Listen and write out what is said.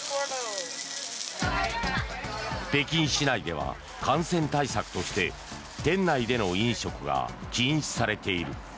北京市内では、感染対策として店内での飲食が禁止されている。